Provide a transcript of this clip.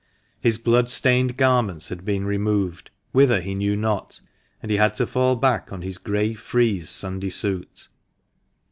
His blood stained garments had been removed, whither he knew not, and he had to fall back on his grey frieze Sunday suit.